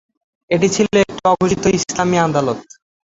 এটি ছিল একটি অঘোষিত ইসলামি আদালত।